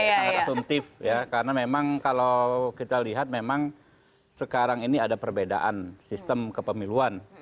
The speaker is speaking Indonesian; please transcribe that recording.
sangat asumtif ya karena memang kalau kita lihat memang sekarang ini ada perbedaan sistem kepemiluan